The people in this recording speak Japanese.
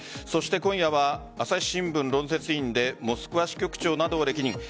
今夜は朝日新聞論説委員でモスクワ支局長などを歴任。